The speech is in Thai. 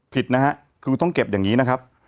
ผิดนะฮะคือต้องเก็บอย่างนี้นะครับ